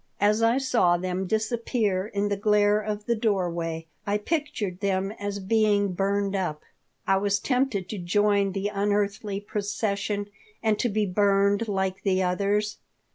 As I saw them disappear in the glare of the doorway I pictured them as being burned up. I was tempted to join the unearthly procession and to be "burned" like the others.